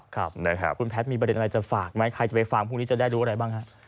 ครับนะครับคุณแพทย์มีประเด็นอะไรจะฝากไหมใครจะไปฟังพรุ่งนี้จะได้รู้อะไรบ้างฮะ